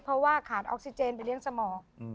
เพราะว่าขาดออกซิเจนไปเลี้ยงสมอง